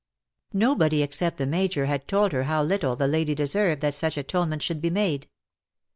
Nobody except the Major had told her how little the lady deserved that such atonement should be made.